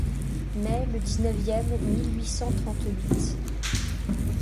Mai, le dix-neuvième, mille huit cent trente-huit.